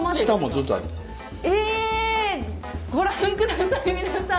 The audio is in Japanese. ご覧下さい皆さん！